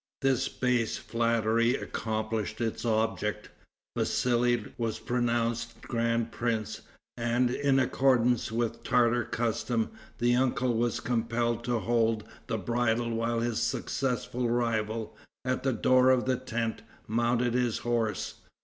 This base flattery accomplished its object. Vassali was pronounced grand prince, and, in accordance with Tartar custom, the uncle was compelled to hold the bridle while his successful rival, at the door of the tent, mounted his horse.